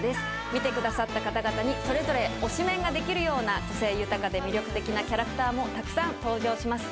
見てくださった方々にそれぞれ推しメンができるような個性豊かで魅力的なキャラクターもたくさん登場します。